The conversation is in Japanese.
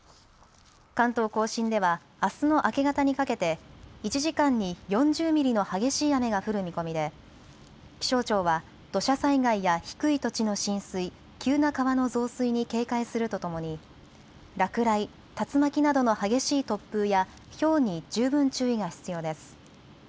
関東甲信ではあすの明け方にかけて１時間に４０ミリの激しい雨が降る見込みで気象庁は土砂災害や低い土地の浸水、急な川の増水に警戒するとともに落雷、竜巻などの激しい突風やひょうに十分注意が必要です。